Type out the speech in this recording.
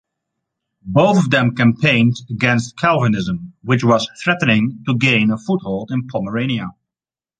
Both of them campaigned against Calvinism, which was threatening to gain a foothold in Pomerania.